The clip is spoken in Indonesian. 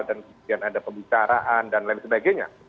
dan kemudian ada pembicaraan dan lain sebagainya